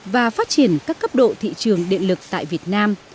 và phát triển các cấp độ thị trường điện lực tại việt nam